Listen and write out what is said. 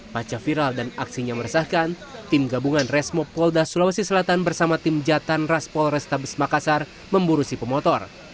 paca viral dan aksinya meresahkan tim gabungan resmob polda sulawesi selatan bersama tim jatan raspol restabes makassar memburu si pemotor